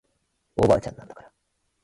おばあちゃんなんだから